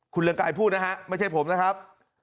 คุณเรืองกายพูดนะฮะไม่ใช่ผมนะครับ